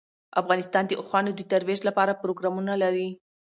افغانستان د اوښانو د ترویج لپاره پروګرامونه لري.